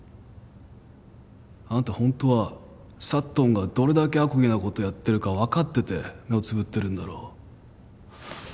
あんたホントはサットンがどれだけあこぎなことやってるか分かってて目をつぶってるんだろ？